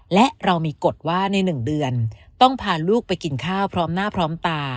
และเรามีกฎว่าใน๑เดือนต้องพาลูกไปกินข้าวพร้อมหน้าพร้อมตา